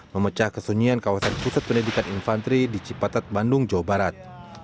memecah kesunyian kawasan pusat pendidikan infanteri di cipatat bandung jawa barat